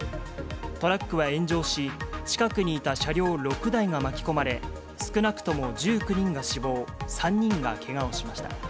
トラックは炎上し、近くにいた車両６台が巻き込まれ、少なくとも１９人が死亡、３人がけがをしました。